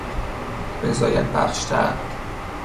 رضایت بخشتر